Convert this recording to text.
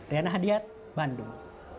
riana hadiat bandung